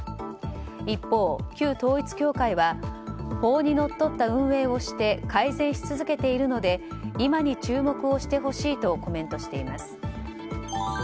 一方、旧統一教会は法にのっとった運営をして改善し続けているので今に注目をしてほしいとコメントしています。